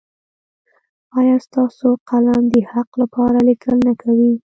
ایا ستاسو قلم د حق لپاره لیکل نه کوي؟